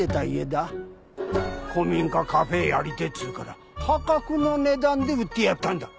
古民家カフェやりてえっつうから破格の値段で売ってやったんだ。